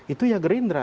itu ya gerindra